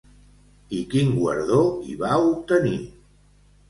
I quin guardó hi va obtenir?